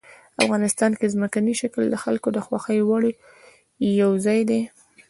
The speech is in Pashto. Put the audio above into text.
افغانستان کې ځمکنی شکل د خلکو د خوښې وړ یو ځای دی.